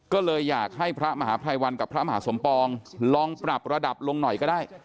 ก็เลยอยากให้พระมหาภัยวันกับพระมหาสมปองลองปรับระดับลงหน่อยก็ได้